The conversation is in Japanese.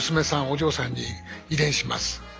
お嬢さんに遺伝します。